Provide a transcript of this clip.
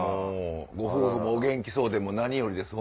ご夫婦もお元気そうで何よりです